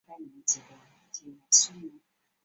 刈羽郡在历史上曾经出现过两次。